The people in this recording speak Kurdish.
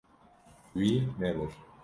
Wî nebir.